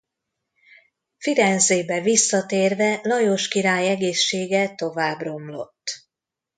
Firenzébe visszatérve Lajos király egészsége tovább romlott.